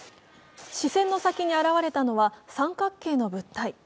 視線の先に現れたのは三角形の物体。